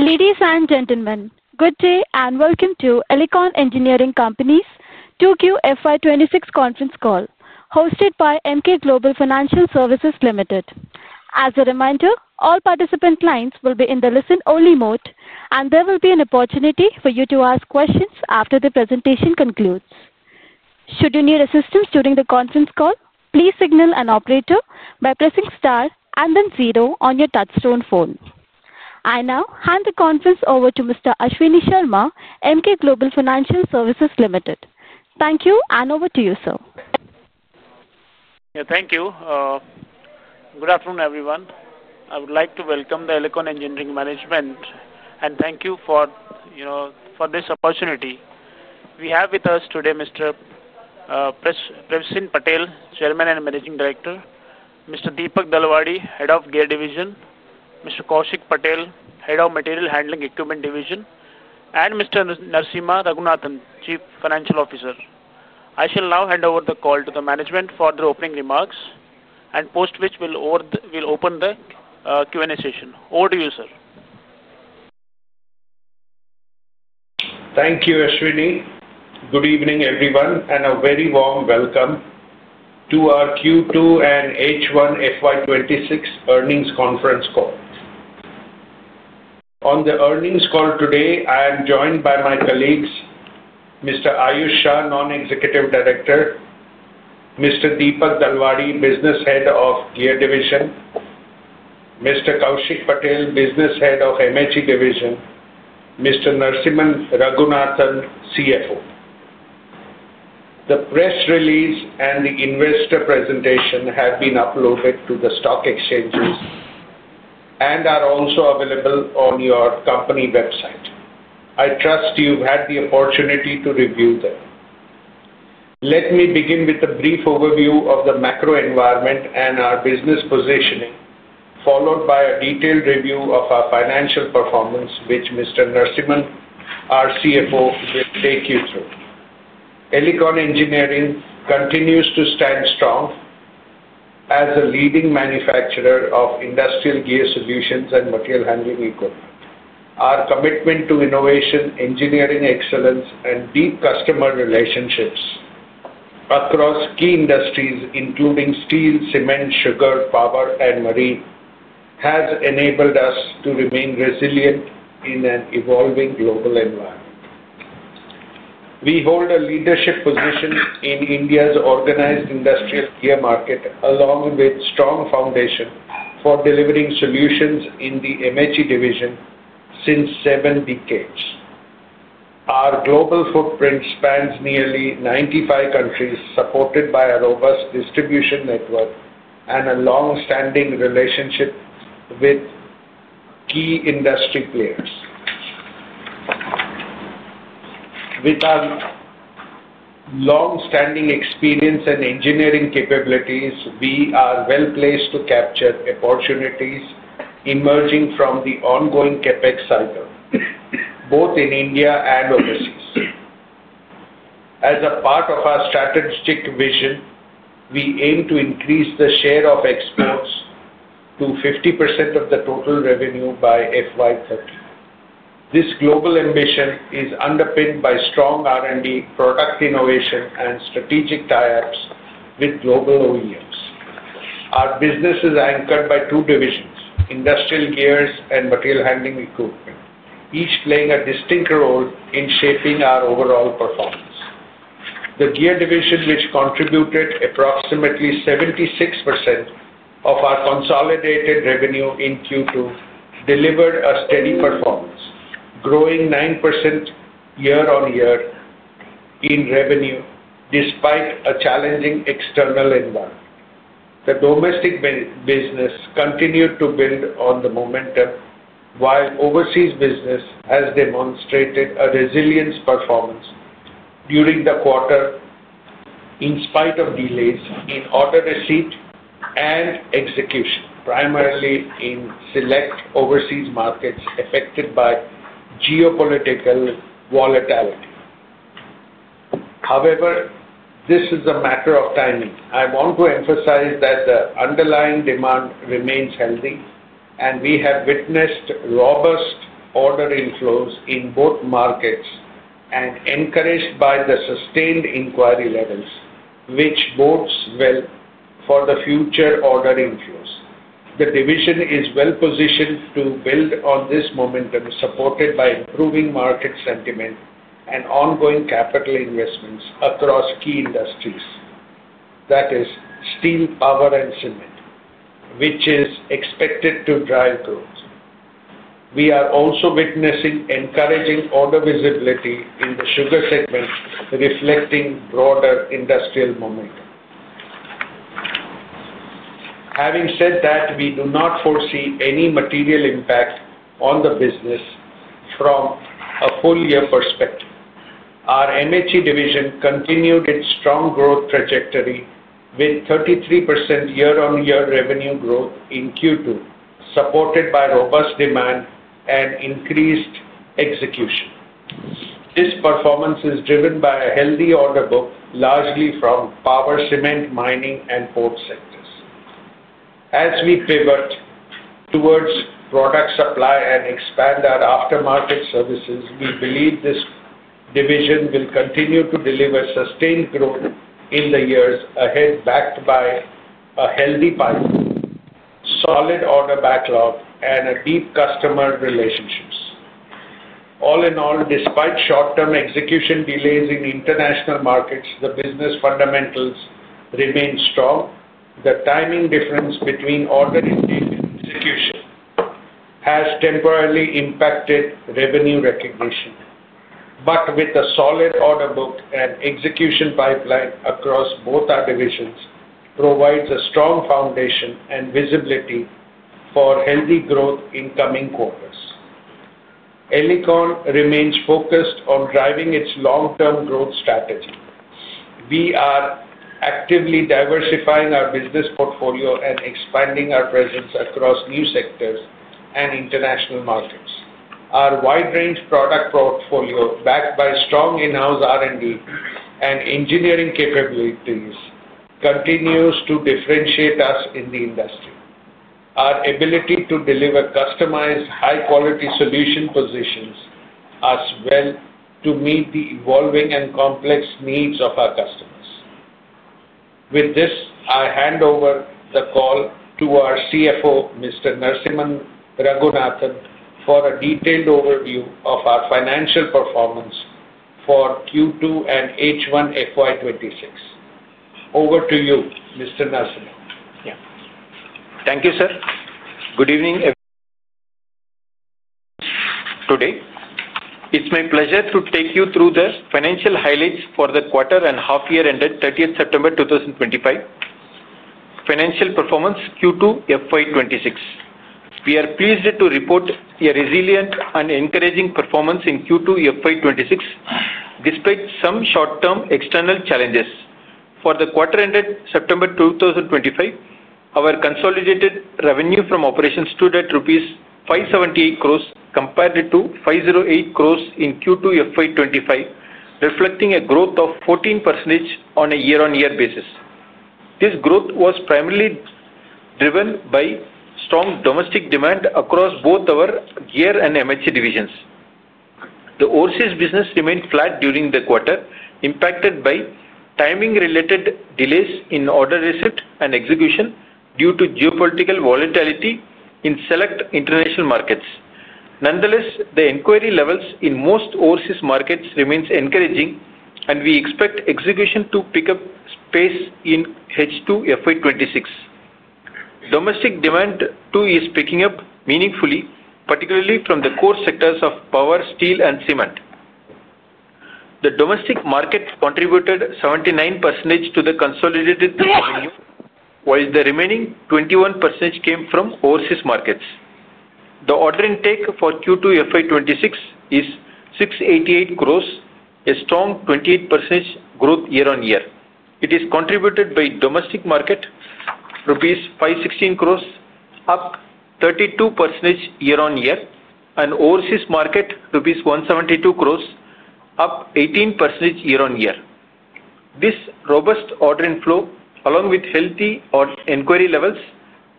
Ladies and gentlemen, good day and welcome to Elecon Engineering Company Limited's 2Q FY 2026 conference call hosted by Emkay Global Financial Services Limited. As a reminder, all participant lines will be in the listen-only mode, and there will be an opportunity for you to ask questions after the presentation concludes. Should you need assistance during the conference call, please signal an operator by pressing star and then zero on your touch-tone phone. I now hand the conference over to Mr. Ashwani Sharma, Emkay Global Financial Services Limited. Thank you, and over to you, sir. Thank you. Good afternoon everyone. I would like to welcome the Elecon Engineering Company Limited management and thank you for this opportunity we have with us today. Mr. Prayasvin Patel, Chairman and Managing Director, Mr. Dipak Dalwadi, Head of Gear Division, Mr. Kaushik Patel, Head of Material Handling Equipment Division, and Mr. Narasimhan Raghunathan, Chief Financial Officer. I shall now hand over the call to the management for the opening remarks and post which we will open the Q&A session. Over to you, sir. Thank you, Ashwani. Good evening, everyone, and a very warm welcome to our Q2 and H1 FY 2026 Earnings Conference Call. On the earnings call today, I am joined by my colleagues Mr. Aayush Shah, Non-Executive Director, Mr. Dipak Dalwadi, Head of Gear Division, Mr. Kaushik Patel, Head of Material Handling Equipment Division, and Mr. Narasimhan Raghunathan, Chief Financial Officer. The press release and the investor presentation have been uploaded to the stock exchanges and are also available on your company website. I trust you've had the opportunity to review them. Let me begin with a brief overview of the macro environment and our business positioning, followed by a detailed review of our financial performance, which Mr. Narasimhan, our CFO, will take you through. Elecon Engineering Company Limited continues to stand strong as a leading manufacturer of Industrial Gears Solutions and Material Handling Equipment. Our commitment to innovation, engineering excellence, and deep customer relationships across key industries including steel, cement, sugar, power, and marine has enabled us to remain resilient in an evolving global environment. We hold a leadership position in India's organized industrial gear market along with a strong foundation for delivering solutions in the MHE division for seven decades. Our global footprint spans nearly 95 countries, supported by a robust distribution network and a long-standing relationship with key industry players. With our long-standing experience and engineering capabilities, we are well placed to capture opportunities emerging from the ongoing capex cycle both in India and overseas. As a part of our strategic vision, we aim to increase the share of exports to 50% of the total revenue by FY 2030. This global ambition is underpinned by strong R&D, product innovation, and strategic tie-ups with global OEMs. Our business is anchored by two divisions, Industrial Gears and Material Handling Equipment, each playing a distinct role in shaping our overall performance. The Gear Division, which contributed approximately 76% of our consolidated revenue in Q2, delivered a steady performance, growing 9% YoY in revenue. Despite a challenging external environment, the domestic business continued to build on the momentum, while the overseas business has demonstrated a resilient performance during the quarter in spite of delays in order receipt and execution, primarily in select overseas markets affected by geopolitical volatility. However, this is a matter of timing. I want to emphasize that the underlying demand remains healthy, and we have witnessed robust order inflows in both markets and are encouraged by the sustained enquiry levels, which bodes well for the future order inflows. The division is well positioned to build on this momentum, supported by improving market sentiment and ongoing capital investments across key industries, i.e., steel, power, and cement, which is expected to drive growth. We are also witnessing encouraging order visibility in the sugar segment, reflecting broader industrial momentum. Having said that, we do not foresee any material impact on the business from a full year perspective. Our Material Handling Equipment Division continued its strong growth trajectory with 33% YoY revenue growth in Q2, supported by robust demand and increased execution. This performance is driven by a healthy order book, largely from power, cement, mining, and port sectors. As we pivot towards product supply and expand our aftermarket services, we believe this division will continue to deliver sustained growth in the years ahead, backed by a healthy pipeline, solid order backlog, and deep customer relationships. All in all, despite short-term execution delays in international markets, the business fundamentals remain strong. The timing difference between order intake and execution has temporarily impacted revenue recognition, but with a solid order book and execution pipeline across both our divisions, it provides a strong foundation and visibility for healthy growth in coming quarters. Elecon Engineering Company Limited remains focused on driving its long-term growth strategy. We are actively diversifying our business portfolio and expanding our presence across new sectors and international markets. Our wide range product portfolio, backed by strong in-house R&D and engineering capabilities, continues to differentiate us in the industry. Our ability to deliver customized, high-quality solutions positions us well to meet the evolving and complex needs of our customers. With this, I hand over the call to our Chief Financial Officer, Mr. Narasimhan Raghunathan, for a detailed overview of our financial performance for Q2 and H1 FY 2026. Over to you, Mr. Narasimhan. Thank you sir. Good evening. Today it's my pleasure to take you through the financial highlights for the quarter and half year ended 30th September 2025. Financial Performance Q2 FY 2026 we are pleased to report a resilient and encouraging performance in Q2 FY 2026 despite some short term external challenges. For the quarter ended September 2025, our consolidated revenue from operations stood at rupees 578 crores compared to 508 crores in Q2 FY 2025, reflecting a growth of 14% on a YoY basis. This growth was primarily driven by strong domestic demand across both our Gear and Material Handling Equipment Divisions. The overseas business remained flat during the quarter, impacted by timing related delays in order receipt and execution due to geopolitical volatility in select international markets. Nonetheless, the enquiry levels in most overseas markets remain encouraging and we expect execution to pick up pace in H2 FY 2026. Domestic demand too is picking up meaningfully, particularly from the core sectors of power, steel, and cement. The domestic market contributed 79% to the consolidated revenue while the remaining 21% came from overseas markets. The order intake for Q2 FY 2026 is 688 crores, a strong 28% growth YoY. It is contributed by domestic market rupees 516 crores, up 32% YoY, and overseas market rupees 172 crores, up 18% YoY. This robust order inflow along with healthy enquiry levels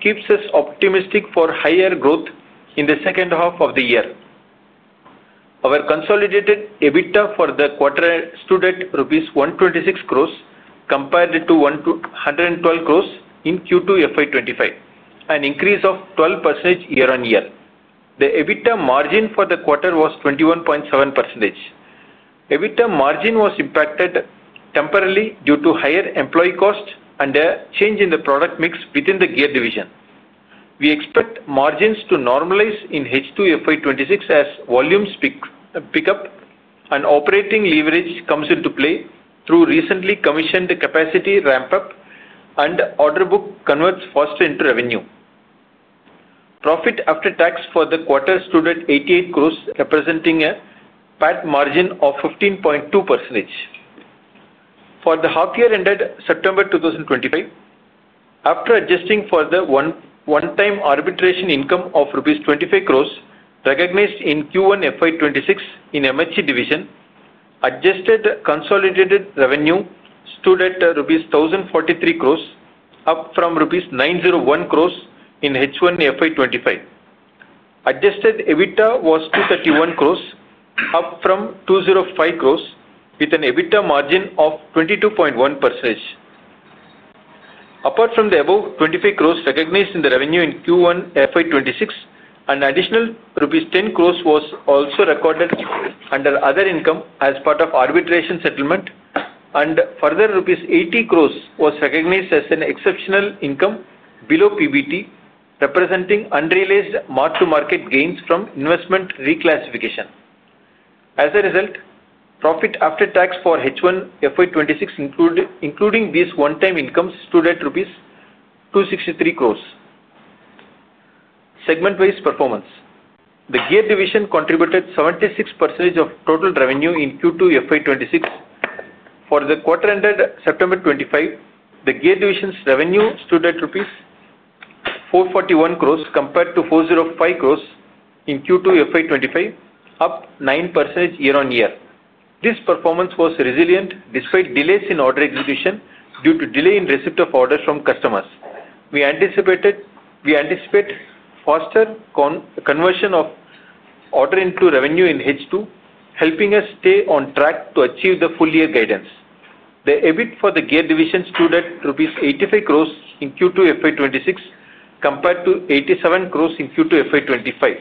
keeps us optimistic for higher growth in the second half of the year. Our consolidated EBITDA for the quarter stood at rupees 126 crores compared to 112 crores in Q2 FY 2025, an increase of 12% YoY. The EBITDA margin for the quarter was 21.7%. EBITDA margin was impacted temporarily due to higher employee cost and a change in the product mix within the Gear division. We expect margins to normalize in H2 FY 2026 as volumes pick up and operating leverage comes into play through recently commissioned capacity ramp up and order book converts faster into revenue. Profit after tax for the quarter stood at 88 crores representing a PAT margin of 15.2% for the half year ended September 2025 after adjusting for the one time arbitration income of 25 crores rupees recognized in Q1 FY 2026. In Material Handling Equipment Division, adjusted consolidated revenue stood at rupees 1,043 crores up from rupees 901 crores in H1 FY 2025. Adjusted EBITDA was 231 crores up from 205 crores with an EBITDA margin of 22.1%. Apart from the above 25 crore recognized in the revenue in Q1 FY 2026, an additional rupees 10 crore was also recorded under other income as part of arbitration settlement, and further rupees 80 crore was recognized as an exceptional income below PBT representing unrealized mark to market gains from investment reclassification. As a result, profit after tax for H1 FY 2026 including these one-time incomes stood at rupees 263 crore. Segment-wise performance, the Gear Division contributed 76% of total revenue in Q2 FY 2026. For the quarter ended September 25, the Gear Division's revenue stood at rupees 441 crore compared to 405 crore in Q2 FY 2025, up 9% YoY. This performance was resilient despite delays in order execution due to delay in receipt of orders from customers. We anticipate faster conversion of order into revenue in H2, helping us stay on track to achieve the full year guidance. The EBIT for the Gear Division stood at rupees 85 crore in Q2 FY 2026 compared to 87 crore in Q2 FY 2025.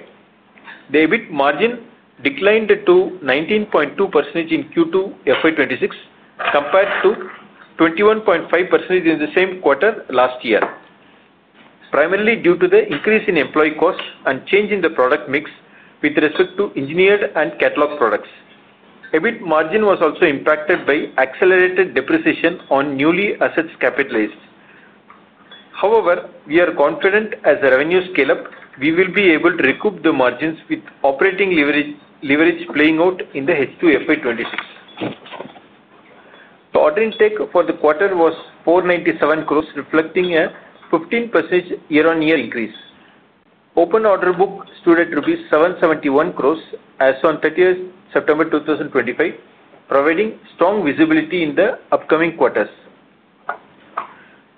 The EBIT margin declined to 19.2% in Q2 FY 2026 compared to 21.5% in the same quarter last year, primarily due to the increase in employee cost and change in the product mix with respect to engineered and catalog products. EBIT margin was also impacted by accelerated depreciation on newly capitalized assets. However, we are confident as the revenues scale up we will be able to recoup the margins with operating leverage playing out in H2 FY 2026. The order intake for the quarter was 497 crore, reflecting a 15% YoY increase. Open order book stood at rupees 771 crore as on 30th September 2025, providing strong visibility in the upcoming quarters.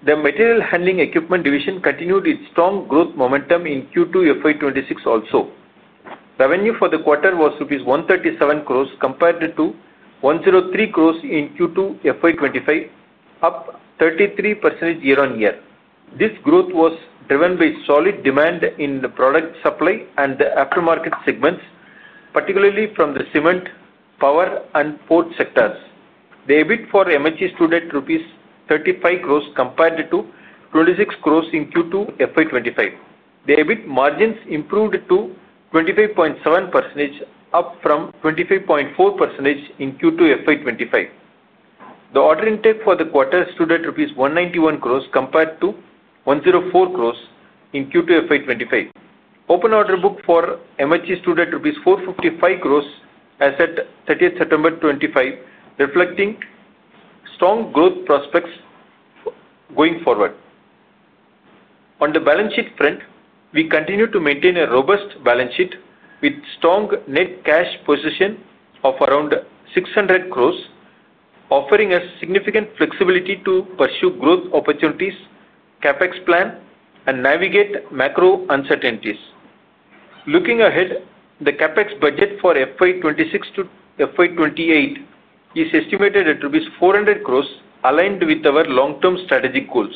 The Material Handling Equipment Division continued its strong growth momentum in Q2 FY 2026. Also, revenue for the quarter was INR 137 crore compared to 103 crore in Q2 FY 2025, up 33% YoY. This growth was driven by solid demand in the product supply and the aftermarket segments, particularly from the cement, power, and port sectors. The EBIT for MHE stood at rupees 35 crore compared to 26 crore in Q2 FY 2025. The EBIT margins improved to 25.7%, up from 25.4% in Q2 FY 2025. The order intake for the quarter stood at rupees 191 crore compared to 104 crore in Q2 FY 2025. Open order book for MHE stood at rupees 455 crore as at 30th September 2025, reflecting strong growth prospects going forward. On the balance sheet front, we continue to maintain a robust balance sheet with strong net cash position of around 600 crore, offering us significant flexibility to pursue growth opportunities, capex plan, and navigate macro uncertainties. Looking ahead, the capex budget for FY 2026 to FY 2028 is estimated at 400 crore rupees, aligned with our long-term strategic goals.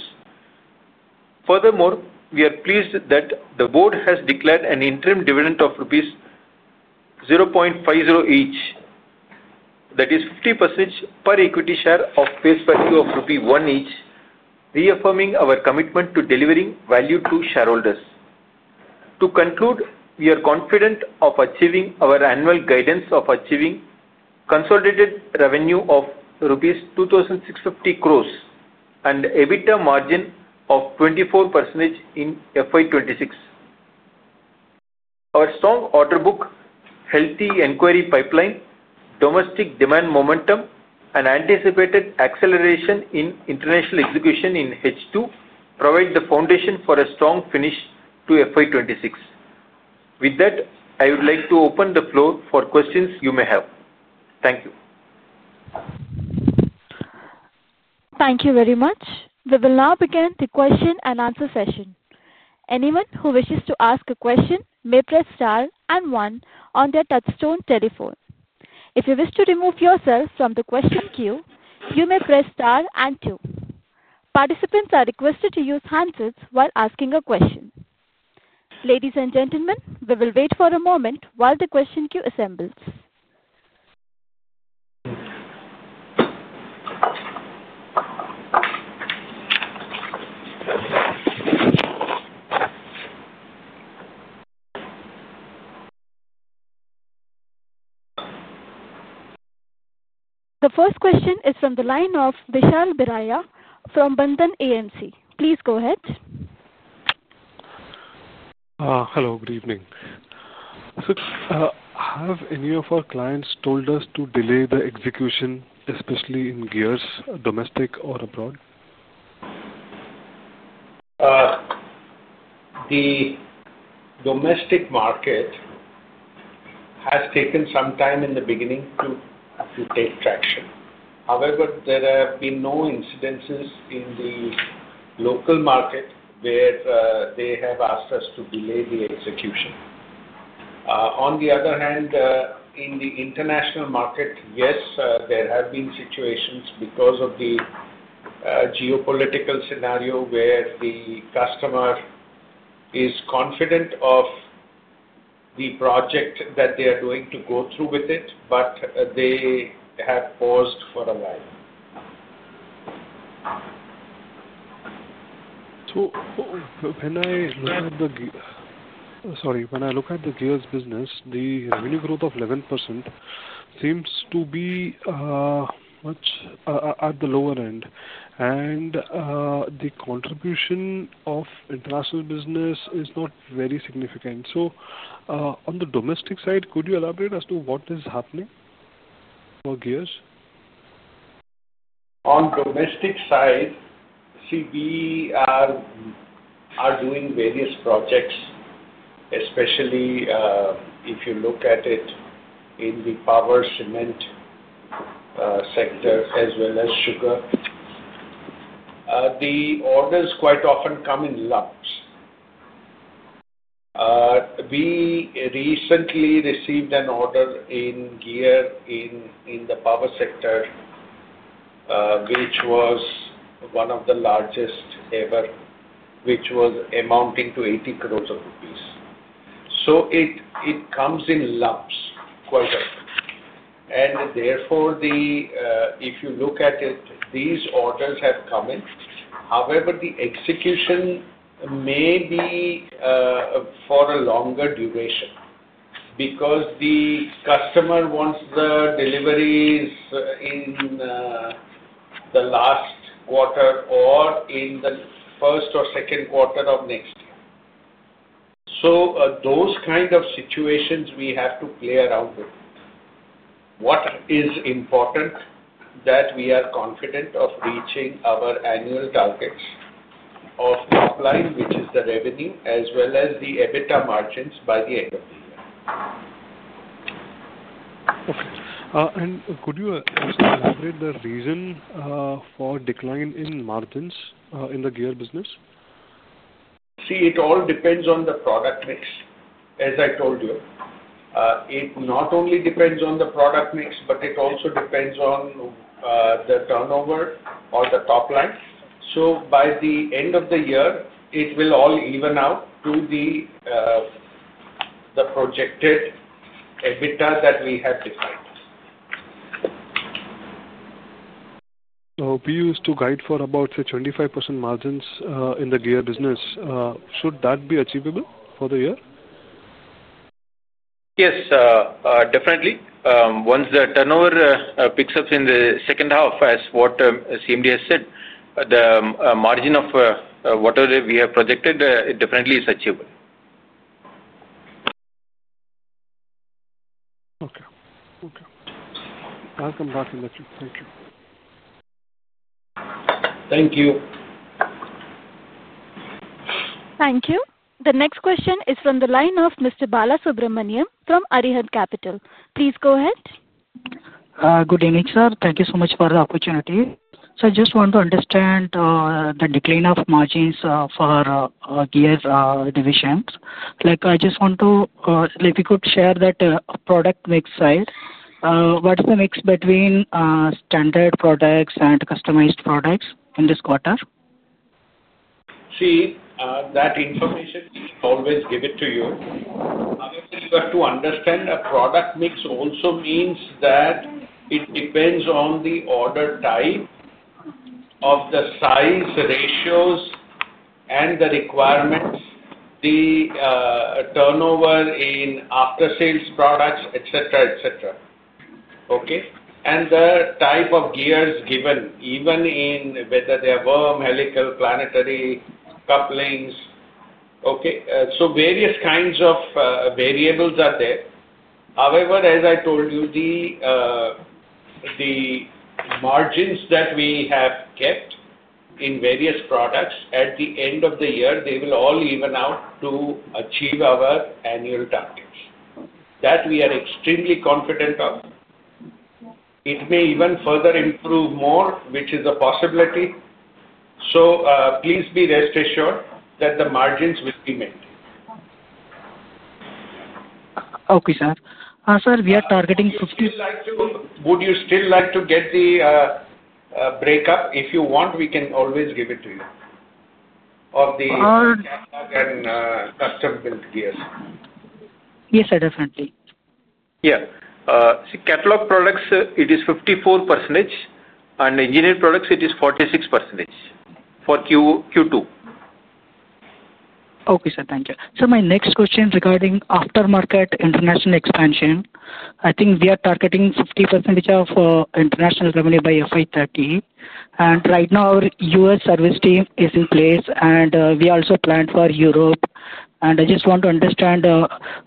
Furthermore, we are pleased that the Board has declared an interim dividend of rupees 0.50 each, that is 50% per equity share of face value of rupee 1 each, reaffirming our commitment to delivering value to shareholders. To conclude, we are confident of achieving our annual guidance of achieving consolidated revenue of rupees 2,650 crore and EBITDA margin of 24% in FY 2026. Our strong order book, healthy enquiry pipeline, domestic demand momentum, and anticipated acceleration in international execution in H2 provide the foundation for a strong finish to FY 2026. With that, I would like to open the floor for questions you may have. Thank you. Thank you very much. We will now begin the question and answer session. Anyone who wishes to ask a question may press star and one on their touch-tone telephone. If you wish to remove yourself from the question queue, you may press star and two. Participants are requested to use handsets while asking a question. Ladies and gentlemen, we will wait for a moment while the question queue assembles. The first question is from the line of Vishal Biraia from Bandhan AMC. Please go ahead. Hello, good evening. Have any of our clients told us to delay the execution, especially in gears, domestic or abroad? The domestic market has taken some time in the beginning to take traction. However, there have been no incidences in the local market where they have asked us to delay the execution. On the other hand, in the international market, yes, there have been situations because of the geopolitical scenario where the customer is confident of the project that they are going to go through with it, but they have paused for a while. When I look at the gears business, the revenue growth of 11% seems to be much at the lower end and the contribution of international business is not very significant. On the domestic side, could you elaborate as to what is happening? On the domestic side, we are doing various projects, especially if you look at it in the power, cement sector as well as sugar. The orders quite often come in lumps. We recently received an order in gear in the power sector which was one of the largest, amounting to 800 million rupees. It comes in lumps quite often. Therefore, if you look at it, these orders have come in. However, the execution may be for a longer duration because the customer wants the deliveries in the last quarter or in the first or second quarter of next year. Those kinds of situations we have to play around with. What is important is that we are confident of reaching our annual targets of top line, which is the revenue as well as the EBITDA margins by the end of the year. Could you elaborate the reason for decline in margins in the gear business? See, it all depends on the product mix. As I told you, it not only depends on the product mix, but it also depends on the turnover or the top line. By the end of the year, it will all even out to the projected EBITDA that we have defined. We used to guide for about 25% margins in the gear business. Should that be achievable for the year? Yes, definitely. Once the turnover picks up in the second half, as what CMD has said, the margin of whatever we have projected, it definitely is achievable. Okay. Thank you for answering my question. Thank you. Thank you. The next question is from the line of Mr. Balasubramanian from Arihant Capital. Please go ahead. Good evening, sir. Thank you so much for the opportunity. I just want to understand the decline of margins for gear divisions. I just want to, if you could share that product mix side, what is the mix between standard products and customized products in this quarter? See, that information always give it to you. To understand a product mix also means that it depends on the order type, the size ratios, and the requirements, the turnover in after sales products, etc. and the type of gears given, even in whether they are worm, helical, planetary, couplings. Various kinds of variables are there. However, as I told you, the margins that we have kept in various products at the end of the year, they will all even out to achieve our annual targets that we are extremely confident of. It may even further improve more, which is a possibility. Please be rest assured that the margins will be maintained. Okay, sir, we are targeting. Would you still like to get the breakup? If you want, we can always give it to you of the custom built gears. Yes, definitely. Yeah. See, catalog products, it is 54%, and engineered products, it is 46% for Q2. Okay sir, thank you. My next question regarding aftermarket international expansion. I think we are targeting 50% of international revenue by FY 2030. Right now our U.S. service team is in place and we also planned for Europe. I just want to understand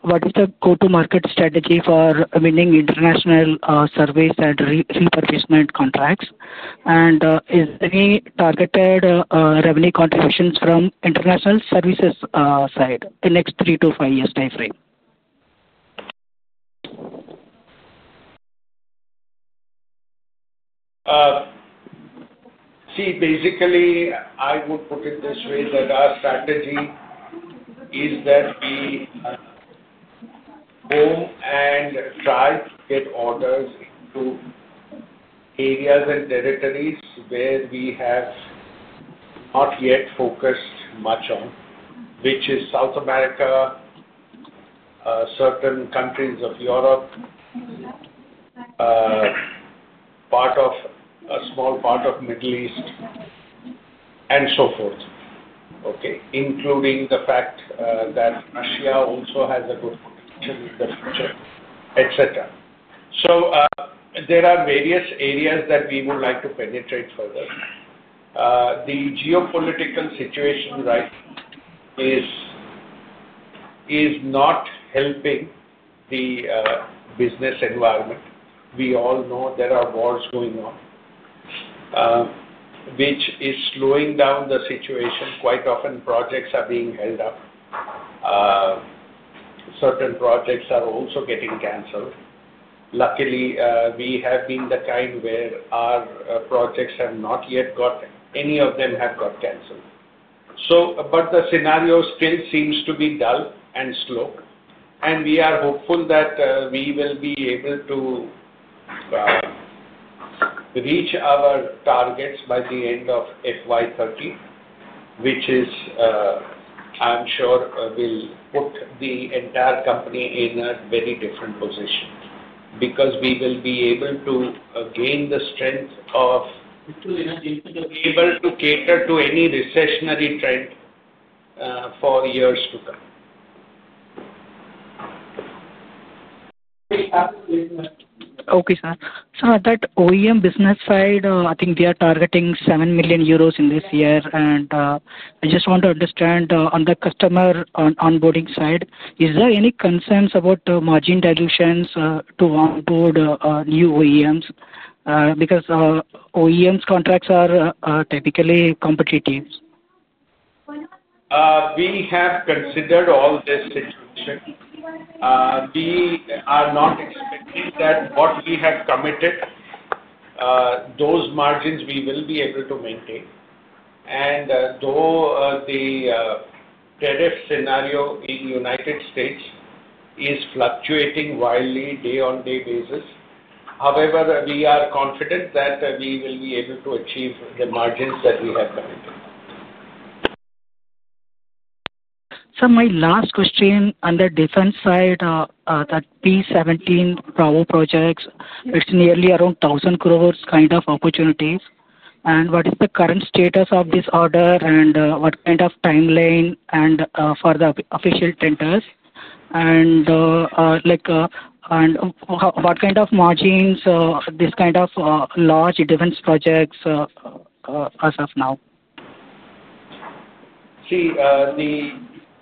what is the go to market strategy for winning international service and repurchasement contracts, and is any targeted revenue contributions from international services side the next three to five years time frame. See, basically I would put it this way, that our strategy is that we go and try to get orders to areas and territories where we have not yet focused much on, which is South America, certain countries of Europe, part of a small part of Middle East and so forth, including the fact that Russia also has a good etc. There are various areas that we would like to penetrate further. The geopolitical situation right now is not helping the business environment. We all know there are wars going on, which is slowing down the situation. Quite often projects are being held up. Certain projects are also getting cancelled. Luckily we have been the kind where our projects have not yet got any of them have got cancelled. The scenario still seems to be dull and slow. We are hopeful that we will be able to reach our targets by the end of FY 2030, which is I'm sure will put the entire company in a very different position because we will be able to gain the strength of able to cater to any recessionary trend for years to come. Okay sir, that OEM business side, I think they are targeting €7 million in this year. I just want to address, understand on the customer onboarding side. Is there any concerns about margin dilutions to onboard new OEMs? Because OEMs contracts are typically competitive. We have considered all this situation. We are not expecting that what we have committed those margins we will be able to maintain. Though the tariff scenario in the U.S. is fluctuating wildly day on day basis, we are confident that we will be able to achieve the margins that we have committed. My last question on the defense side, that P-17 Bravo projects, it's nearly around 1,000 crore kind of opportunities. What is the current status of this order and what kind of timeline for the official tenders and like, and what kind of margins this kind of large defense projects? As of now. See, the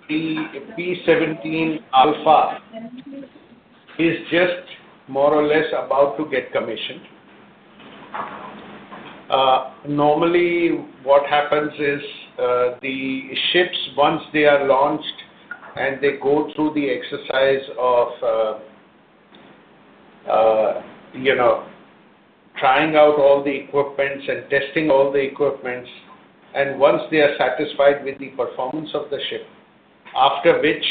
P-17 Alpha is just more or less about to get commissioned. Normally what happens is the ships, once they are launched and they go through the exercise of trying out all the equipment and testing all the equipment, and once they are satisfied with the performance of the ship, after which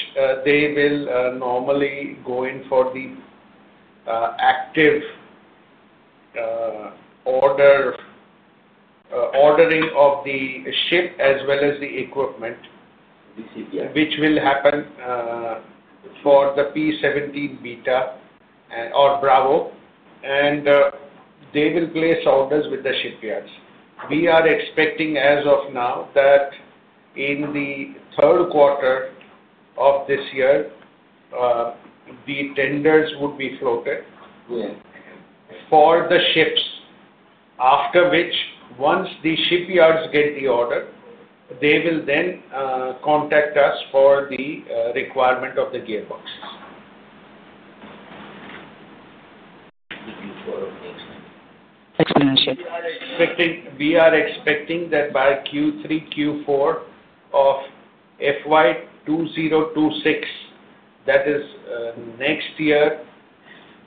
they will normally go in for the active ordering of the ship as well as the equipment, which will happen for the P-17 Beta or Bravo, and they will place orders with the shipyards. We are expecting as of now that in the third quarter of this year the tenders would be floated for the ships. After which, once the shipyards get the order, they will then contact us for the requirement of the gearboxes. We are expecting that by Q3, Q4 of FY 2026, that is next year,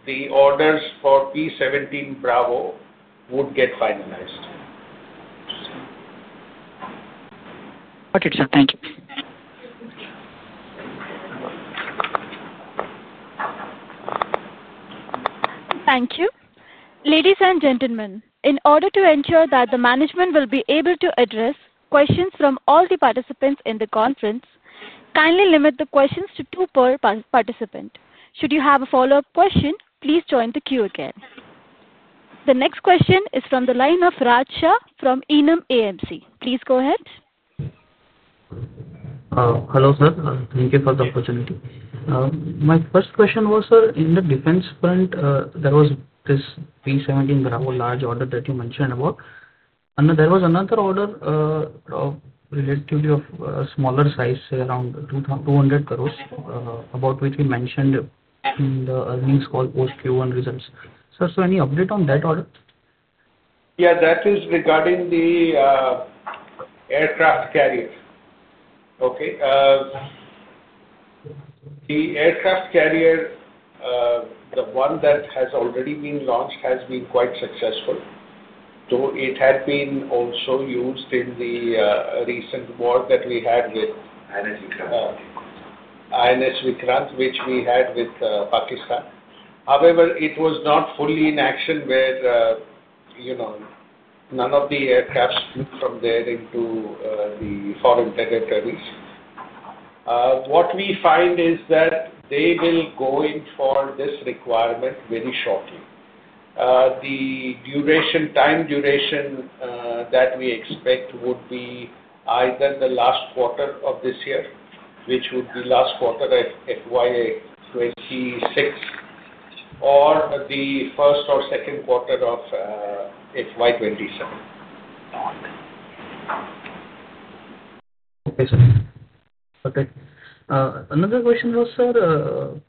the orders for P-17 Bravo would get finalized. Thank you, ladies and gentlemen. In order to ensure that the management will be able to address questions from all the participants in the conference, kindly limit the questions to two per participant. Should you have a follow-up question, please join the queue. Again, the next question is from the line of Raj Shah from Enam AMC. Please go ahead. Hello sir. Thank you for the opportunity. My first question was, sir, in the defense front, there was this P-17 Bravo large order that you mentioned about. There was another order, relatively of smaller size, around 200 crore, about which we mentioned in the earnings call post Q1 results. Any update on that order? Yeah, that is regarding the aircraft carrier. The Aircraft Carrier, the one that has already been launched, has been quite successful. It had been also used in the recent war that we had with INS Vikrant, which we had with Pakistan. However, it was not fully in action where none of the aircraft flew from there into the foreign territories. What we find is that they will go into for this requirement very shortly. The duration, time duration that we expect would be either the last quarter of this year, which would be last quarter at FY 2026, or the first or second quarter of FY 2027. Okay, another question was. Sir.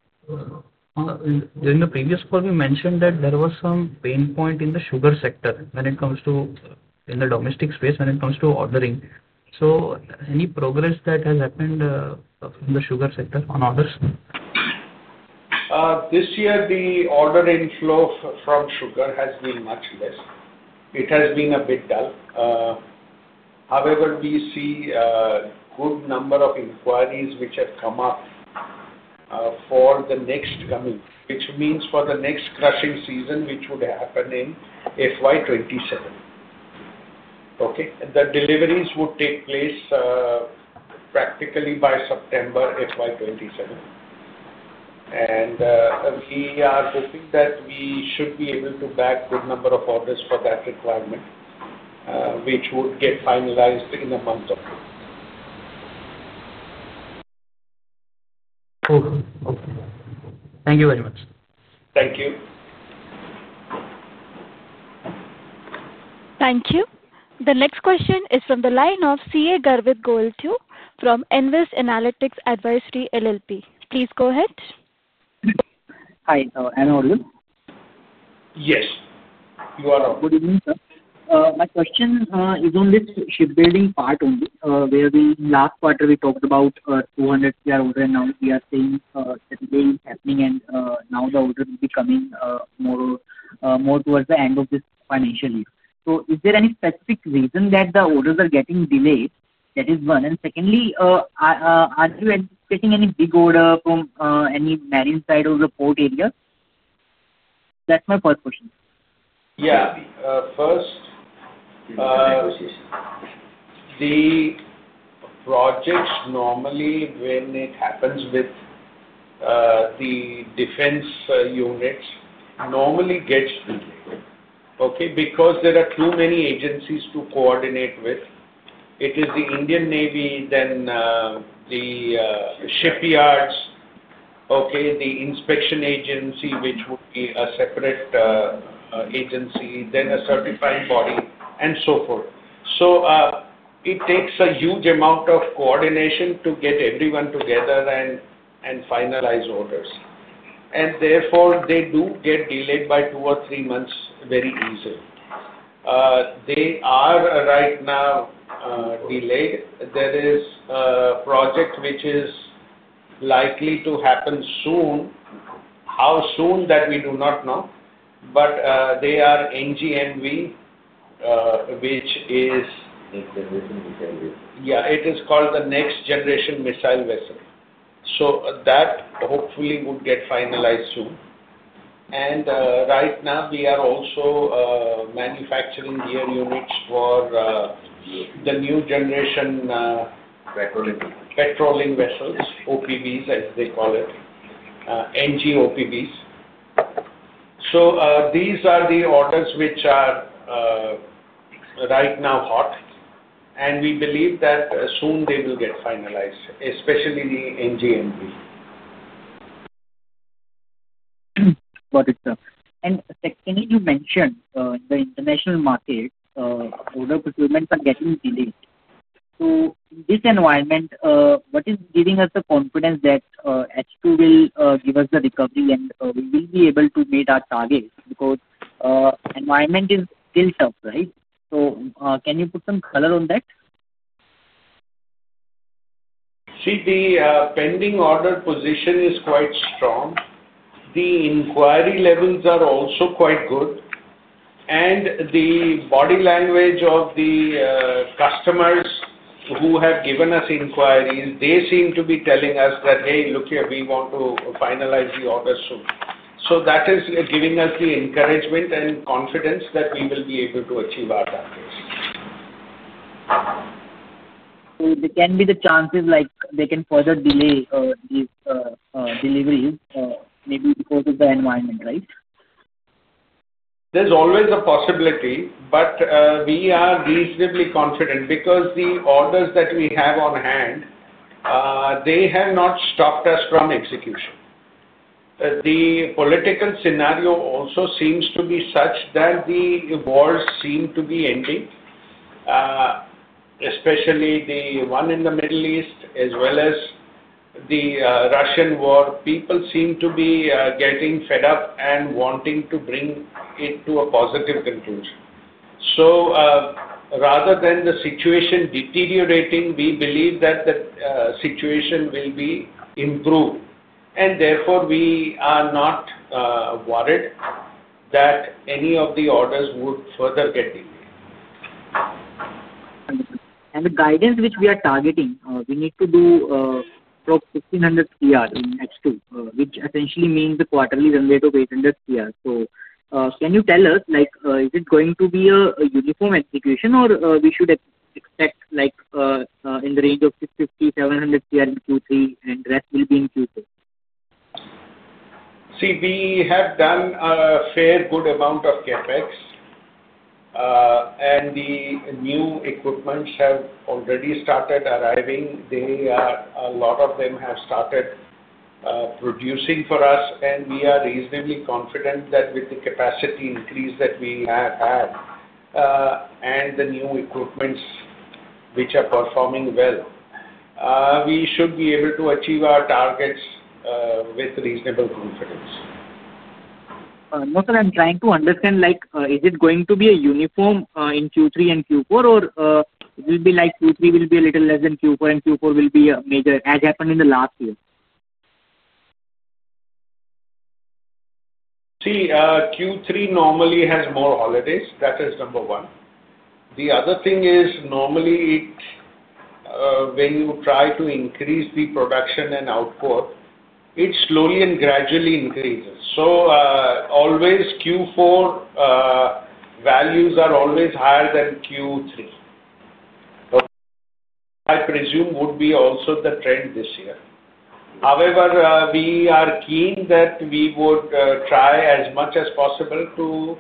During the previous call we mentioned that there was some pain point in the sugar sector when it comes to, in the domestic space, when it comes to ordering. Any progress that has happened in the sugar sector on orders? This year, the order inflow from sugar has been much less. It has been a bit dull. However, we see a good number of inquiries which have come up for the next coming, which means for the next crushing season which would happen in FY 2027. The deliveries would take place practically by September FY 2027, and we are hoping that we should be able to back good number of orders for that requirement, which would get finalized in a month. Thank you very much. Thank you. Thank you. The next question is from the line of CA Garvit Goyal from Nvest Analytics Advisory LLP. Please go ahead. Hi, I'm audible. Yes, you are. Good evening, sir. My question is on this shipbuilding part only, where last quarter we talked about the 200 crore order, and now we are saying happening, and now the order will be coming more towards the end of this financial year. Is there any specific reason that the orders are getting delayed? That is one. Secondly, are you getting any big order from any marine side of the port area? That's my first question. Yeah. First, the projects normally, when it happens with the defense units, normally get delayed, okay? Because there are too many agencies to coordinate with. It is the Indian Navy, then the shipyards, okay, the inspection agency, which would be a separate agency, then a certified body and so forth. It takes a huge amount of coordination to get everyone together and finalize orders. Therefore, they do get delayed by two or three months very easily. They are right now delayed. There is a project which is likely to happen soon. How soon, that we do not know. They are NGNV, which is, yeah, it is called the Next Generation Naval Vessel. That hopefully would get finalized soon. Right now we are also manufacturing gear units for the New Generation Patrol Vessels, OPVs as they call it, NGOPVs. These are the orders which are right now hot. We believe that soon they will get finalized, especially the NGNV. You mentioned the international market order procurements are getting delayed. In this environment, what is giving us the confidence that H2 will give us the recovery and we will be able to meet our target? The environment is still tough, right? Can you put some color on that? See, the pending order position is quite strong. The inquiry levels are also quite good, and the body language of the customers who have given us inquiries, they seem to be telling us that, hey, look here, we want to finalize the order soon. That is giving us the encouragement and confidence that we will be able to achieve our targets. There can be the chances they can further delay these deliveries, maybe because of the environment, right? There's always a possibility. We are reasonably confident because the orders that we have on hand have not stopped us from executing. The political scenario also seems to be such that the wars seem to be. Ending. Especially the one in the Middle East as well as the Russian war, people seem to be getting fed up and wanting to bring it to a positive conclusion. Rather than the situation deteriorating, we believe that the situation will be improved and therefore we are not worried that any of the orders would further get delayed. The guidance which we are targeting, we need to do 1,500 crore in next two, which essentially means the quarterly run rate of 800 crore. Can you tell us, is it going to be a uniform execution, or should we expect in the range of 650–700 crore in Q3 and the rest will be in Q2? See, we have done a fair good amount of capex, and the new equipment has already started arriving. A lot of them have started producing for us, and we are reasonably confident that with the capacity increase that we have had and the new equipment which are performing well, we should be able to achieve our targets with reasonable confidence. No sir, I'm trying to understand, like, is it going to be uniform in Q3 and Q4, or will it be like Q3 will be a little less than Q4 and Q4 will be major as happened in the last year. Q3 normally has more holidays. That is number one. The other thing is normally when you try to increase the production and output, it slowly and gradually increases. Q4 values are always higher than Q3. I presume that would also be the trend this year. However, we are keen that we would try as much as possible to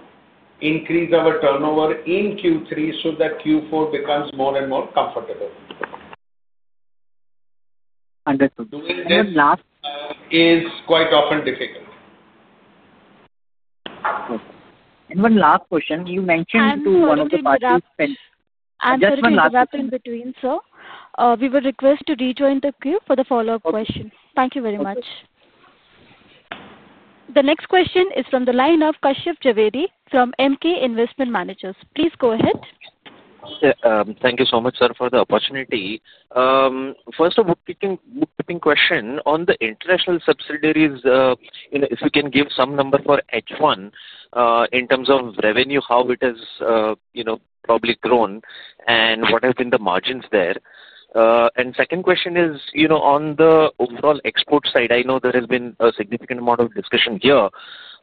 increase our turnover in Q3 so that Q4 becomes more and more comfortable. Understood, it is quite often difficult. One last question, you mentioned to one of the parties. Sir, we will request to rejoin the queue for the follow up question. Thank you very much. The next question is from the line of Kashyap Javeri from Emkay Investment Managers. Please go ahead. Thank you so much sir for the opportunity. First of all, keeping question on the international subsidiaries, if you can give some number for H1 in terms of revenue, how it is, you know, probably grown and what has been the margins there. Second question is, you know, on the overall export side, I know there has been a significant amount of discussion here,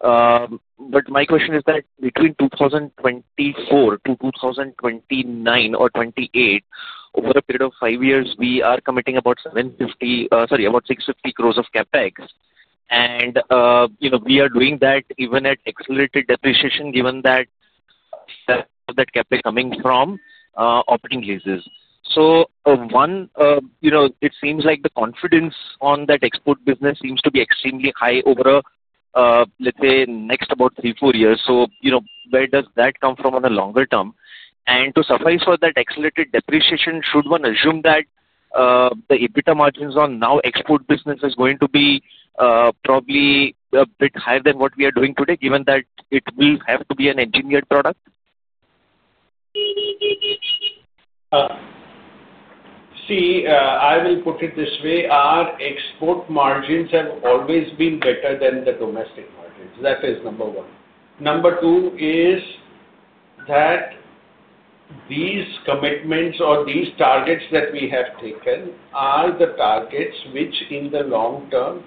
but my question is that between 2024 to 2029 or 2028, over a period of 5 years, we are committing about 750. Sorry, about 650 crores of capex, and you know, we are doing that even at accelerated depreciation given that that kept coming from operating leases. One, you know, it seems like the confidence on that export business seems to be extremely high over, let's say, next about three, four years. You know, where does that come from on the longer term? To suffice for that accelerated depreciation, should one assume that the EBITDA margins on now export business is going to be probably bit higher than what we are doing today, given that it will have to be an engineered product. I will put it this way. Our export margins have always been better than the domestic margins. That is number one. Number two is that these commitments or these targets that we have taken are the targets which in the long term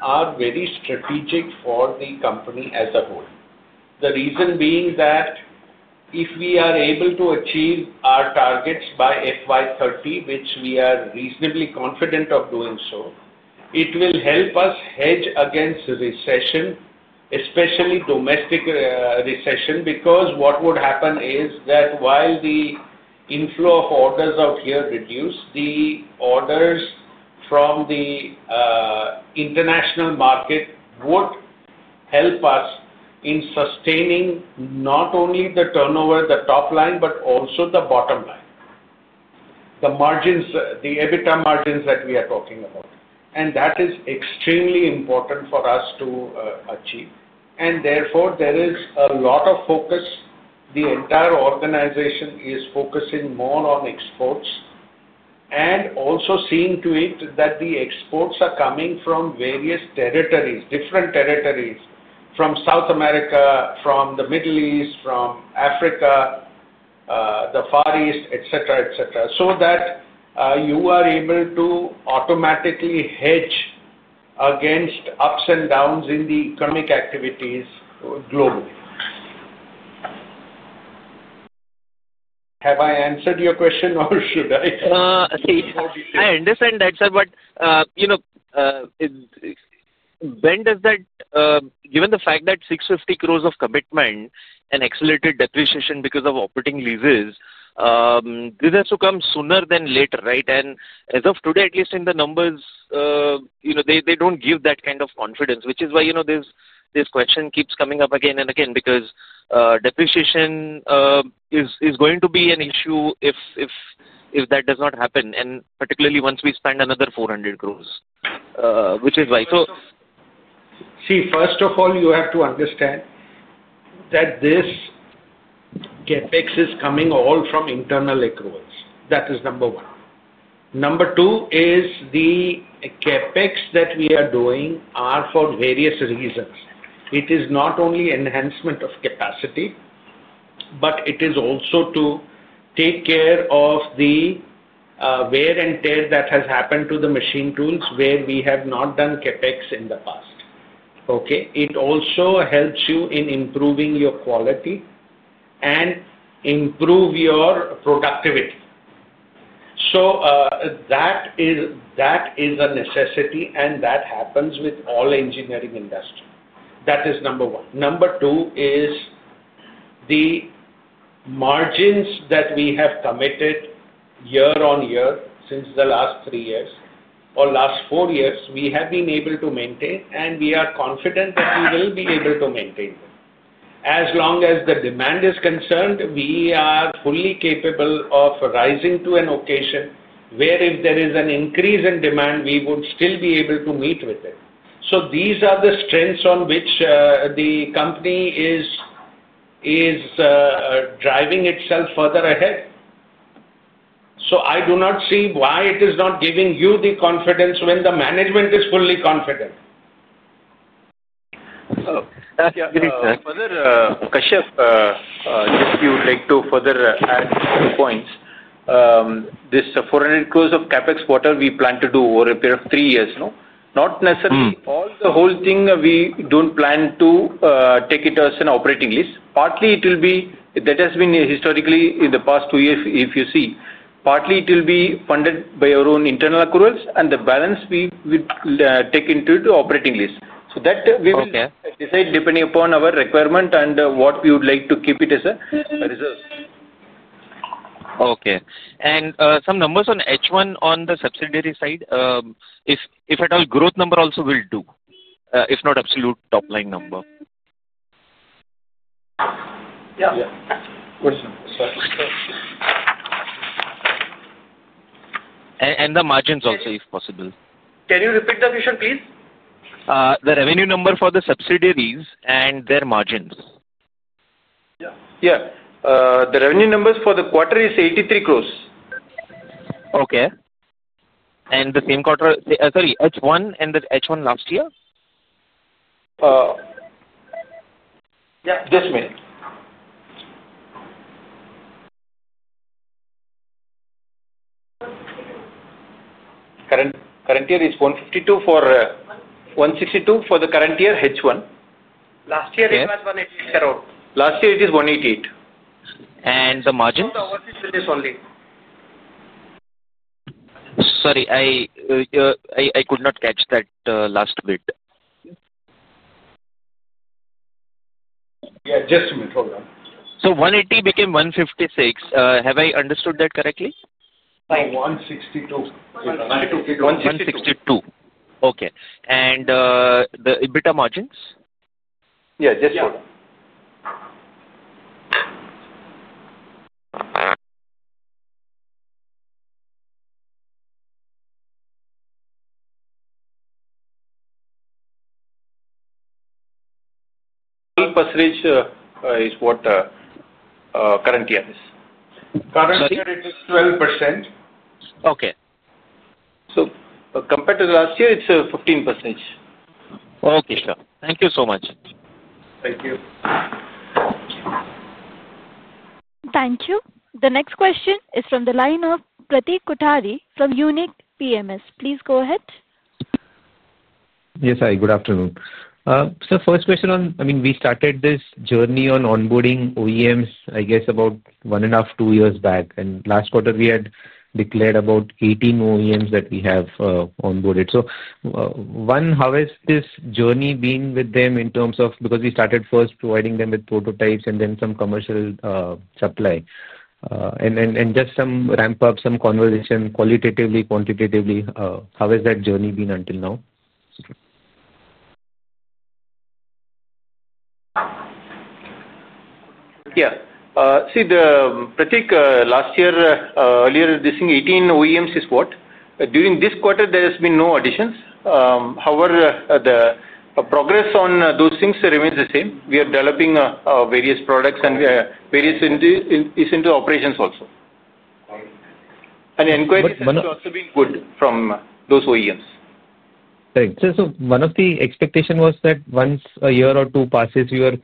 are very strategic for the company as a whole. The reason being that if we are able to achieve our targets by FY 2030, which we are reasonably confident of doing, it will help us hedge against recession, especially domestic recession. What would happen is that while the inflow of orders out here reduced, the orders from the international market would help us in sustaining not only the turnover, the top line, but also the bottom line, the margins, the EBITDA margins that we are talking about. That is extremely important for us to achieve. Therefore, there is a lot of focus. The entire organization is focusing more on exports and also seeing to it that the exports are coming from various territories, different territories, from South America, from the Middle East, from Africa, the Far East, etc. so that you are able to automatically hedge against ups and downs in the economic activities globally. Have I answered your question or should I? I understand that, sir, but you know, when does that, given the fact that 650 crore of commitment and accelerated depreciation because of operating leases, this has to come sooner than later, right? As of today, at least in the numbers, they don't give that kind of confidence, which is why this question keeps coming up again and again. Depreciation is going to be an issue if that does not happen, particularly once we spend another 400 crore, which is why, See, first of all. You have to understand that this capex is coming all from internal accruals. That is number one. Number two is the capex that we are doing are for various reasons. It is not only enhancement of capacity, but it is also to take care of the wear and tear that has happened to the machine tools where we have not done capex in the past, okay? It also helps you in improving your quality and improve your productivity. That is a necessity and that happens with all engineering industry. That is number one. Number two is the margins that we have committed year on year since the last three years or last four years. We have been able to maintain and we are confident that we will be able to maintain them. As long as the demand is concerned we are fully capable of rising to an occasion where if there is an increase in demand we would still be able to meet with it. These are the strengths on which the company is driving itself further ahead. I do not see why it is not giving you the confidence when the management is fully confident. If you would like to further add two points. This 400 crore of capex, what we plan to do over a period of three years. No, not necessarily all the whole thing. We don't plan to take it as an operating lease. Partly it will be, that has been historically in the past two years if you see, partly it will be funded by our own internal accruals and the balance we would take into the operating lease. We will decide depending upon our requirement and what we would like to keep it as a result. Okay. Some numbers on H1 on the subsidiary side, if growth number also will do, if not absolute top line number. Yeah, and the margins also if possible. Can you repeat the question, please? The revenue number for the subsidiaries and their margins. Yeah, the revenue numbers for the quarter is 83 crore. Okay. The same quarter, sorry, H1 and the H1 last year. Yeah, this May current year is 152 crores, for 162 crores for the current year H1. Last year it is 188 crores and the margin? Sorry, I could not catch that last. Yeah, just a minute. Hold on. 180 crores became 156 crores. Have I understood that correctly? 162 crores. Okay. The EBITDA margins? Yeah, just percentage is what current year is currently 12%. Okay. Compared to the last year, it's a 15%. Okay, sir, thank you so much. Thank you. Thank you. The next question is from the line of Pratik Kothari from Unique PMS. Please go ahead. Yes, hi, good afternoon. First question on. I mean we started this journey on onboarding OEMs I guess about one and a half, two years back, and last quarter we had declared about 18 OEMs that we have onboarded. One, how has this journey been with them in terms of, because we started first providing them with prototypes and then some commercial supply and just some ramp up, some conversation. Qualitatively, quantitatively, how has that journey been until now? Yeah, see Pratik, last year earlier this thing, 18 OEMs is what during this quarter there has been no additions. However, the progress on those things remains the same. We are developing various products and various operations also. Enquiry has also been good from those OEMs. One of the expectations was that once a year or two passes, you are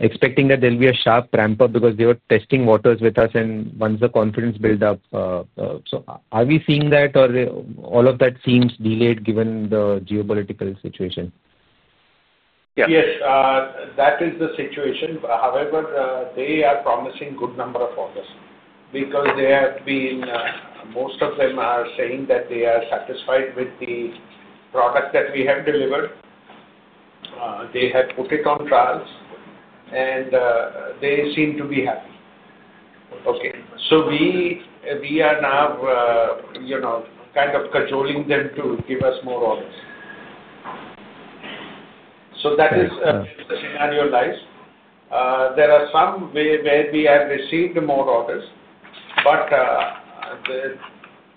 expecting that there will be a sharp ramp up because they were testing waters with us. Once the confidence builds up, are we seeing that, or does all of that seem delayed given the geopolitical situation? Yes, that is the situation. However, they are promising a good number of orders because they have been. Most of them are saying that they are satisfied with the product that we have delivered. They have put it on trials, and they seem to be happy. We are now, you know, kind of cajoling them to give us more orders. That is the scenario. There are some where we have received more orders. But.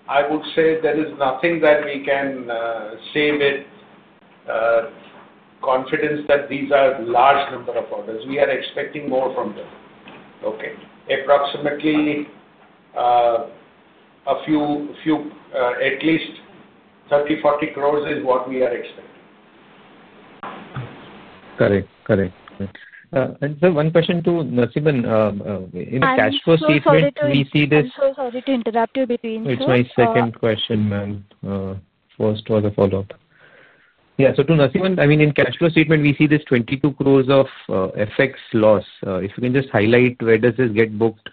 I would say there is nothing that we can say with confidence that these are large number of orders. We are expecting more from them. April, approximately a few, at least 30 to 40 crore is what we are expecting. Correct? Correct. And the one question toNarasimhan in. A cash flow statement, we see this. I'm so sorry to interrupt you in between It's my second question. First was a follow up. Yeah. Narasimhan, I mean in the cash flow statement we see this INR 22 crore of FX loss. If you can just highlight where does this get booked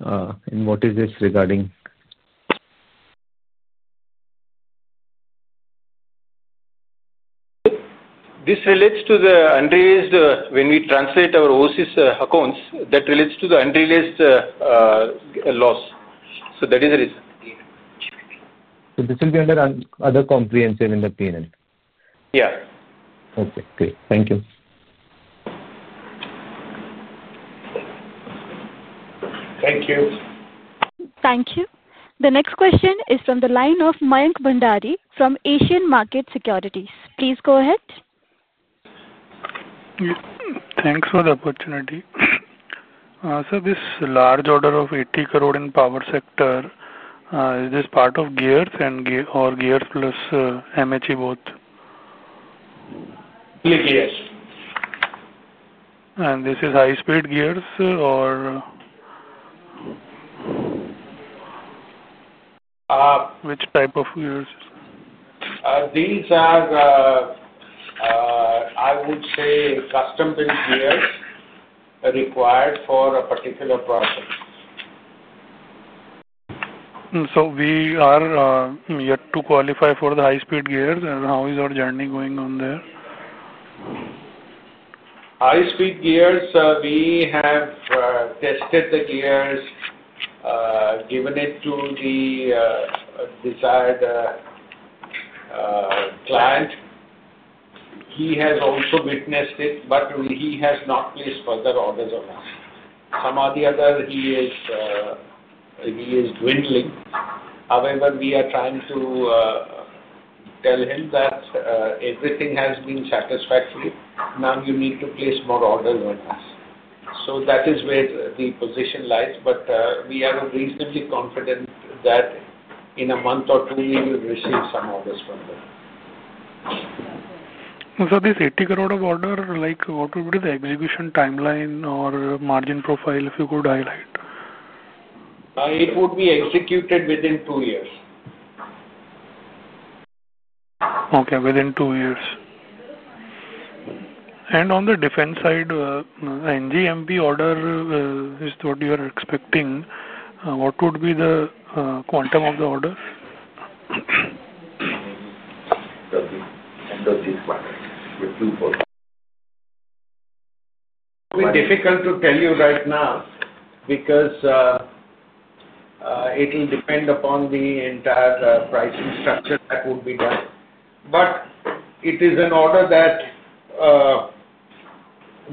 and what is this regarding? This relates to the unrealized. When we translate our OC accounts, that relates to the unrealized loss. That is the reason this will be under other comprehensive income. Yeah. Okay, great. Thank you. Thank you. Thank you. The next question is from the line of Mayank Bhandari from Asian Market Securities. Please go ahead. Thanks for the opportunity, sir. This large order of 80 crore in power sector, is this part of gears or gears plus MHE Both? Is this high speed gears or. Which type of gears are these? I would say custom built gears required for a particular process. We are yet to qualify for the high speed gears. How is our journey going on there? High speed gears. We have tested the gears, given it to the desired client. He has also witnessed it. However, he has not placed further orders on us. Some of the other he is dwindling. However, we are trying to time to tell him that everything has been satisfactory. Now you need to place more orders on us. That is where the position lies. We are reasonably confident that in a month or two we will receive some orders from them. What would be the execution timeline or margin profile? If you could highlight, it would be executed within two years. Okay, within two years. On the defense side, NGNV order is what you are expecting. What would be the quantum of the order? Difficult to tell you right now because it will depend upon the entire pricing structure that would be done, but it is an order that.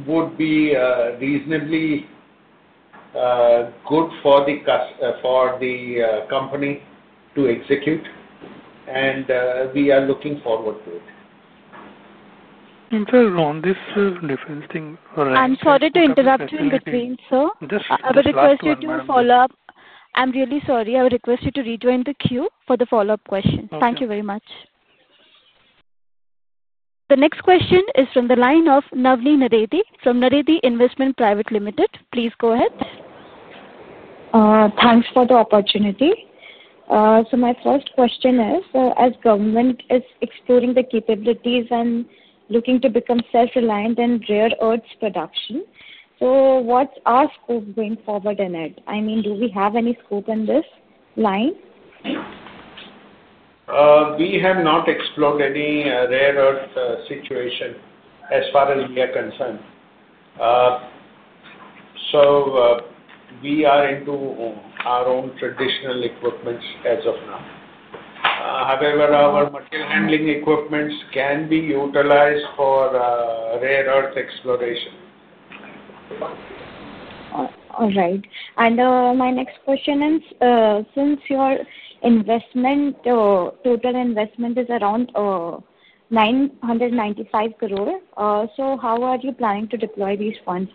Would be reasonably good for the company to execute, and we are looking forward to it. And sir, on this different thing I'm sorry to interrupt you in between, Sir. I would request you to follow up. I'm really sorry. I would request you to rejoin the queue for the follow-up question. Thank you very much. The next question is from the line of Navani Naredi from Naredi Investment Private Limited. Please go ahead. Thanks for the opportunity. My first question is, as government is exploring the capabilities and looking to become self-reliant in rare earths production, what's our scope going forward in it? I mean, do we have any scope in this line? We have not explored any rare earth situation as far as we are concerned. We are into our own traditional equipment as of now. However, our material handling equipment can be utilized for rare earth exploration. All right, my next question is since your total investment is around 995 crore, how are you planning to deploy these funds?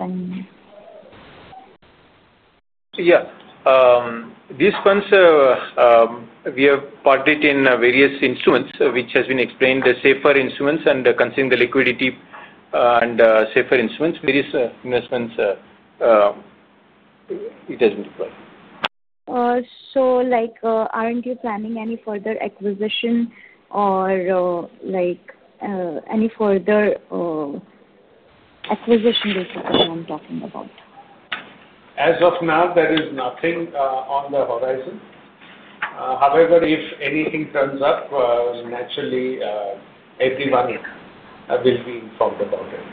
Yeah, these funds we have parted in various instruments, which has been explained. The safer instruments, and considering the liquidity and safer instruments, various investments. It has been deployed. Aren't you planning any further acquisition or any further acquisition [data] that I'm talking about? As of now, there is nothing on the horizon. However, if anything turns up, naturally everyone will be informed about it.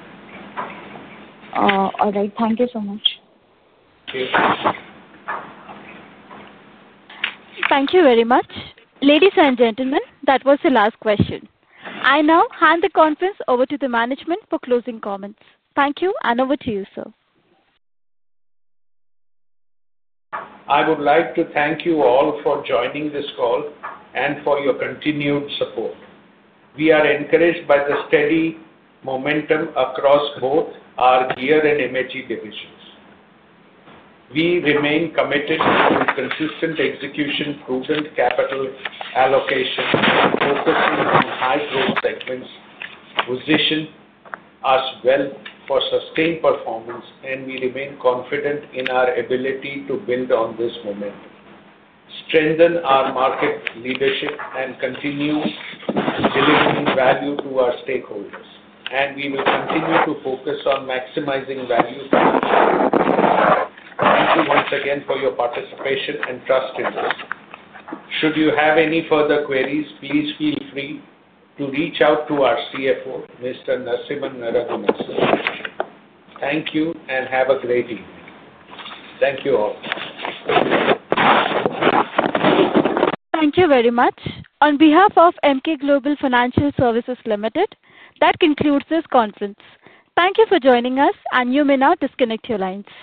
All right, thank you so much. Thank you very much, ladies and gentlemen. That was the last question. I now hand the conference over to the management for closing comments. Thank you. Over to you, sir. I would like to thank you all for joining this call and for your continued support. We are encouraged by the steady momentum across both our gear and MHE diversity. We remain committed to consistent execution, prudent capital allocation, focusing on high growth segments positions us well for sustained performance. We remain confident in our ability to build on this momentum, strengthen our market leadership, and continue delivering value to our stakeholders. We will continue to focus on maximizing value. Thank you once again for your participation and trust in us. Should you have any further queries, please feel free to reach out to our CFO Mr. Narasimhan Raghunathan. Thank you and have a great evening. Thank you all. Thank you very much on behalf of Emkay Global Financial Services Limited. That concludes this conference. Thank you for joining us. You may now disconnect your lines. Thank you.